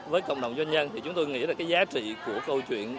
với cộng đồng doanh nhân thì chúng tôi nghĩ là cái giá trị của câu chuyện